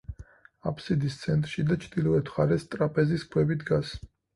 აბსიდის ცენტრში და ჩრდილოეთ მხარეს ტრაპეზის ქვები დგას.